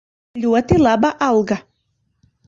Ļoti laba alga.